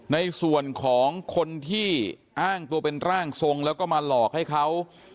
ในส่วนของคนที่อ้างตัวเป็นร่างทรงแล้วก็มาหลอกให้เขา